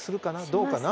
どうかな？